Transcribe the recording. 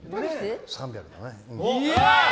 ３００だね。